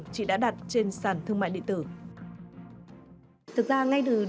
chị đã đặt trên sản thương mại điện tử